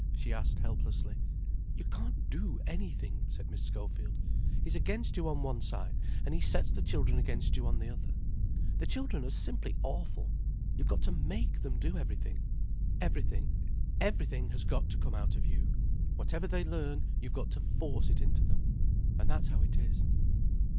she asked, helplessly. "You can't do anything," said Miss Schofield. "He's against you on one side and he sets the children against you on the other. The children are simply awful. You've got to make them do everything. Everything, everything has got to come out of you. Whatever they learn, you've got to force it into them—and that's how it is."